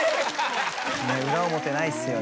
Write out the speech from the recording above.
裏表ないっすよね。